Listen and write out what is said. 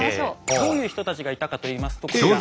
どういう人たちがいたかといいますとこちら。